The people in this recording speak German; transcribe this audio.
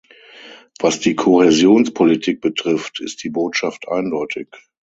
Was die Kohäsionspolitik betrifft, ist die Botschaft eindeutig.